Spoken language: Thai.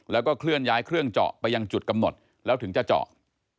แล้วก็เคลื่อนย้ายเครื่องเจาะไปยังจุดกำหนดแล้วถึงจะเจาะ